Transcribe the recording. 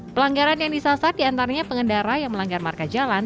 pelanggaran yang disasar diantaranya pengendara yang melanggar marka jalan